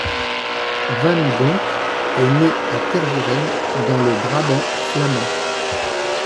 Van Donck est né à Tervuren dans le Brabant flamand.